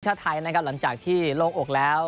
ชาติไทยนะครับหลังจากที่โล่งอกแล้ว